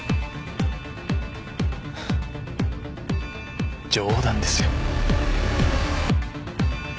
フッ冗談ですよ。